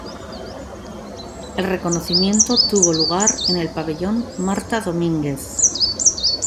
El reconocimiento tuvo lugar en el Pabellón Marta Domínguez.